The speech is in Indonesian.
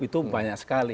itu banyak sekali